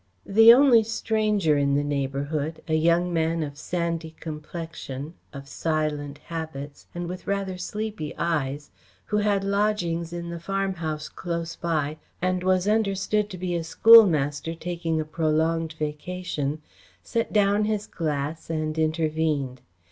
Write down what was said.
The only stranger in the neighbourhood, a young man of sandy complexion, of silent habits, and with rather sleepy eyes, who had lodgings in the farmhouse close by and was understood to be a schoolmaster taking a prolonged vacation, set down his glass and intervened.